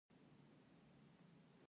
د افغانستان جغرافیه کې ګاز ستر اهمیت لري.